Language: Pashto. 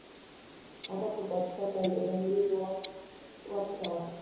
هغه به پادشاه ته د بندي ځواب ورکاوه.